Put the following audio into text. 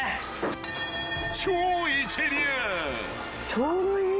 ちょうどいい！